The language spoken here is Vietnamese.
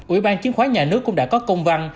ủy ban chứng khoán nhà nước cũng đã có công văn